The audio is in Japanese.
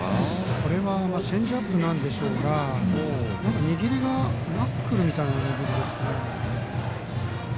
これはチェンジアップでしょうが握りがナックルみたいな。